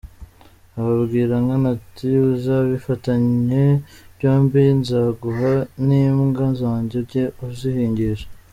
Abwira Nkana ati “Uzabifatanye byombi, nzaguha n’imbwa zanjye ujye uzihigisha.